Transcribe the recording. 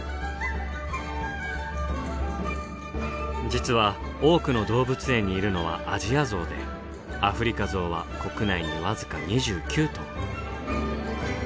実は多くの動物園にいるのはアジアゾウでアフリカゾウは国内に僅か２９頭。